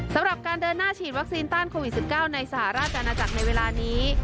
สำหรับการเดินหน้าฉีดวัคซีนต้านโควิด๑๙ในสหราชอาณาจักรในเวลานี้